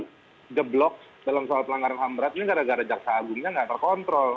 jadi sekarang di geblok dalam soal pelanggaran ham berat ini gara gara jaksa agungnya gak terkontrol